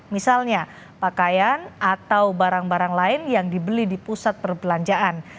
misalnya pakaian atau barang barang lain yang dibeli di pusat perbelanjaan